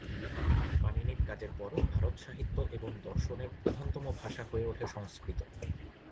পাণিনির কাজের পর ভারতে সাহিত্য এবং দর্শনের প্রধানতম ভাষা হয়ে ওঠে সংস্কৃত।